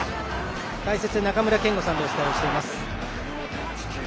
解説・中村憲剛さんとお伝えしています。